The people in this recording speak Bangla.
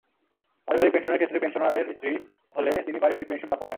পারিবারিক পেনশনের ক্ষেত্রে পেনশনারের স্ত্রী হলে তিনি পারিবারিক পেনশন প্রাপ্য হবেন।